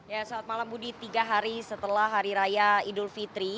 ya saat malam budi tiga hari setelah hari raya idul fitri